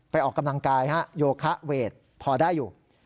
ออกกำลังกายฮะโยคะเวทพอได้อยู่